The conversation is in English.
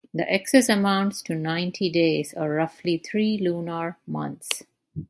The excess amounts to ninety days or roughly three lunar months.